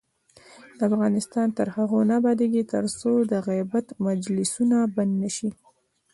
افغانستان تر هغو نه ابادیږي، ترڅو د غیبت مجلسونه بند نشي.